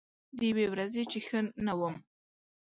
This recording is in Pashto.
د یوې ورځې چې ښه نه وم